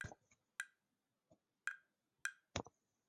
加茂市为一位于日本新舄县中部的城市。